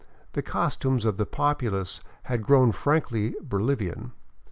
The costumes of the populace had grown frankly Bolivian.